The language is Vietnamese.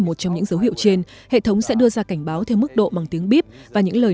một trong những dấu hiệu trên hệ thống sẽ đưa ra cảnh báo theo mức độ bằng tiếng bip và những lời